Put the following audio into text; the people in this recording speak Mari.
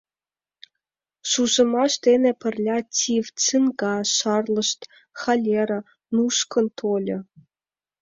Шужымаш дене пырля тиф, цинга шарлышт, холера нушкын тольо.